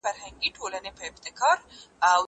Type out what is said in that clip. زه پرون ځواب ليکم؟!